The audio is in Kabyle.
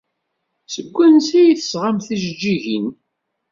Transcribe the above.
Seg wansi ay d-tesɣamt tijeǧǧigin?